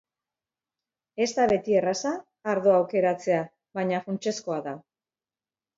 Ez da beti erraza ardoa aukeratzea, baina funtsezkoa da.